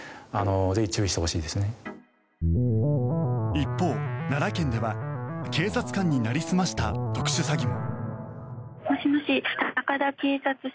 一方、奈良県では警察官になりすました特殊詐欺も。